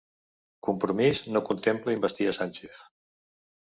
Compromís no contempla investir a Sánchez